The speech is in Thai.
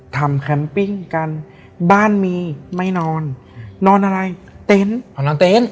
ทำแคมปิ้งกันบ้านมีไม่นอนนอนอะไรเต็นพอน้ำเต็น